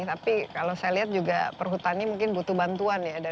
tapi kalau saya lihat juga perhutani mungkin butuh bantuan ya